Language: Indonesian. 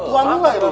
tuhan ya abah